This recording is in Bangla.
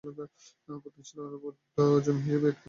পতনশীল বা আবাদযোগ্য জমি হিসাবে একটি মাঠ থাকতে পারে।